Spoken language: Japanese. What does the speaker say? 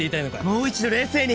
もう一度冷静に。